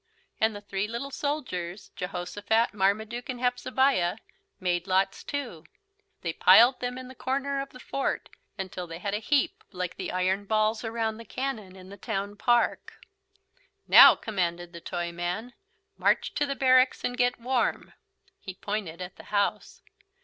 And the three little soldiers, Jehosophat, Marmaduke, and Hepzebiah, made lots too. They piled them in the corner of the fort, until they had a heap like the iron balls around the cannon in the town park. "Now," commanded the Toyman. "March to the barracks and get warm" (he pointed at the house).